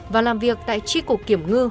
và làm việc tại tri cục kiểm ngư